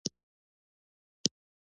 د اختلاف او دوست تمیز یې له منځه وړی.